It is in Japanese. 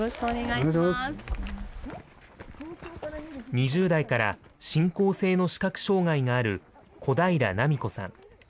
２０代から進行性の視覚障害がある、小平奈美子さん。